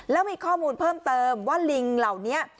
แล้วมีข้อมูลเพิ่มเติมว่าลิงเหล่านี้